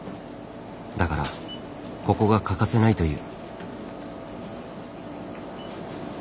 だからここが欠かせないという。